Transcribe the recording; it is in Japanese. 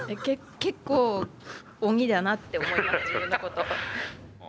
結構、鬼だなって思います、自分のこと。